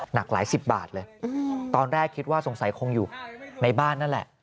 หนักหลายสิบบาทเลยตอนแรกคิดว่าสงสัยคงอยู่ในบ้านนั่นแหละ